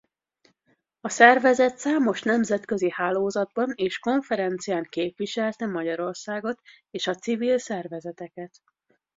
A szervezet számos nemzetközi hálózatban és konferencián képviselte Magyarországot és a civil szervezeteket.